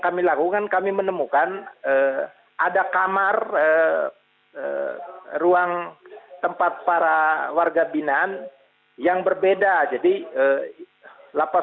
kami lakukan kami menemukan ada kamar ruang tempat para warga binaan yang berbeda jadi lapas